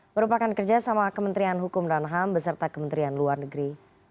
merupakan kerjasama kementerian hukum dan ham beserta kementerian luar negeri